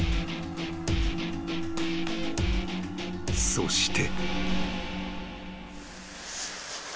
［そして］